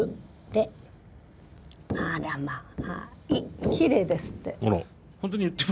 あらきれいですって。